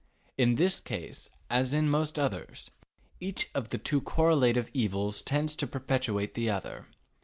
In this case, as in most others, each of two correlative evils tends to perpetuate the other.